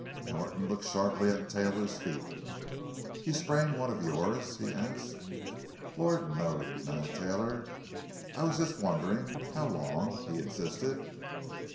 Norton looked sharply at Taylor's feet. "You sprain one of yours?" he asked. "Lord, no!" denied Taylor. "I was just wondering. How long?" he insisted.